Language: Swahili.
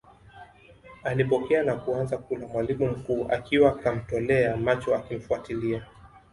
Alipokea na kuanza kula mwalimu mkuu akiwa kamtolea macho akimfuatilia